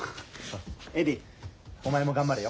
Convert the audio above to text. エディお前も頑張れよ。